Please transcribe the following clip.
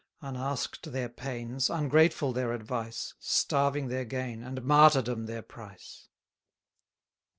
Unask'd their pains, ungrateful their advice, Starving their gain, and martyrdom their price.